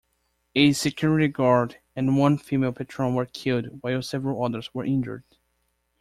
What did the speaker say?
A security guard and one female patron were killed while several others were injured.